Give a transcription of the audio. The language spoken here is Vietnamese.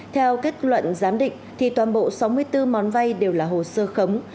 theo kết luận giám định thì toàn bộ sáu mươi bốn món vay đều là hồ sơ khống